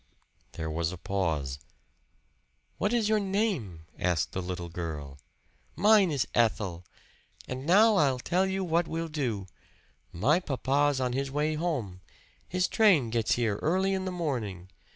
There was a pause. "What is your name?" asked the little girl. "Mine is Ethel. And now I'll tell you what we'll do. My papa's on his way home his train gets here early in the morning.